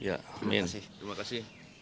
amin terima kasih